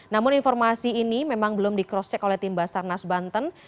namun informasi ini memang belum di cross check oleh tim basarnas banten